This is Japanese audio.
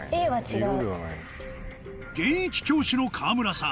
現役教師の川村さん